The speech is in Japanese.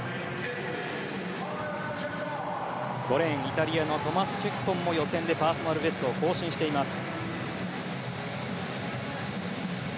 ５レーンイタリアのトマス・チェッコンも予選でパーソナルベストを更新しています。